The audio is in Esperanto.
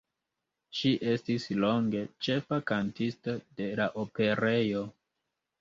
Ŝi estis longe ĉefa kantisto de la Operejo.